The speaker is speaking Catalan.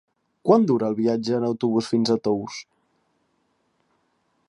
Quant dura el viatge en autobús fins a Tous?